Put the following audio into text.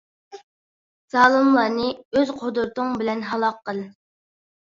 زالىملارنى ئۆز قۇدرىتىڭ بىلەن ھالاك قىل!